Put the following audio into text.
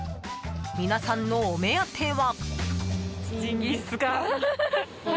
皆さんのお目当ては。